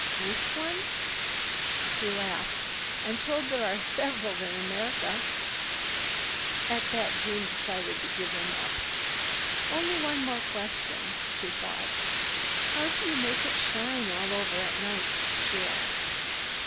"Which one?" He laughed. "I'm told there are several in America." At that Jeanne decided to give him up. "Only one more question," she thought. "How do you make it shine all over at night?" she asked.